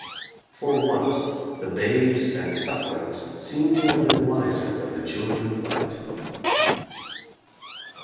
For once the babes and suck lings seem to have been wiser than the children of light.